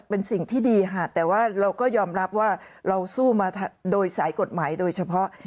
เป็นสิ่งที่ดีค่ะแต่ว่าเราก็ยอมรับว่าเราสู้มาโดยสายกฎหมายโดยเฉพาะ